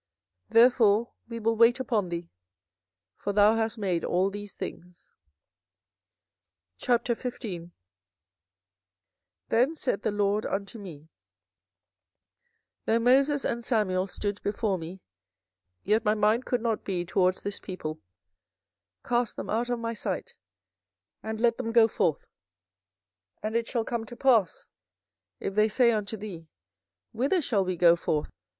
therefore we will wait upon thee: for thou hast made all these things. 24:015:001 Then said the LORD unto me, Though Moses and Samuel stood before me, yet my mind could not be toward this people: cast them out of my sight, and let them go forth. 24:015:002 And it shall come to pass, if they say unto thee, Whither shall we go forth?